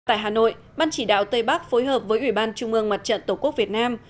tại hà nội ban chỉ đạo tây bắc phối hợp với ủy ban trung ương mặt trận tổ quốc việt nam